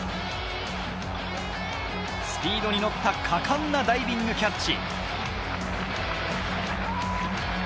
スピードに乗った果敢なダイビングキャッチ。